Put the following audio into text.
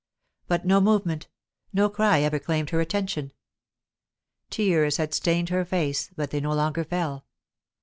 But no movement, no cry ever claimed her attention. Tears had stained her face, but they no longer fell.